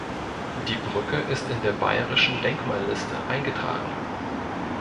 Die Brücke ist in der Bayerischen Denkmalliste eingetragen.